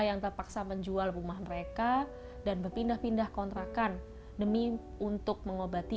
yang terpaksa menjual rumah mereka dan berpindah pindah kontrakan demi untuk mengobati